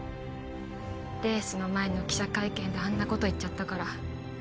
レースの前の記者会見であんなこと言っちゃったから